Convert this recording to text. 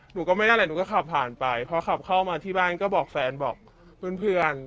หนูก็ไม่ได้อะไรหนูก็ขับผ่านไปพอขับเข้ามาที่บ้านก็บอกแฟนบอกเพื่อน